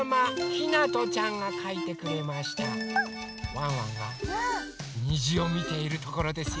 ワンワンがにじをみているところですよ。